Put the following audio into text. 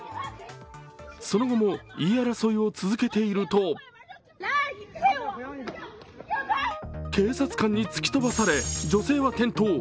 その後も言い争いを続けていると警察官に突き飛ばされ女性は転倒。